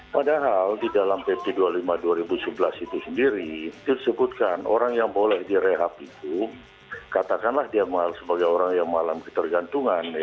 padahal di dalam pp dua puluh lima dua ribu sebelas itu sendiri disebutkan orang yang boleh direhab itu katakanlah dia sebagai orang yang mengalami ketergantungan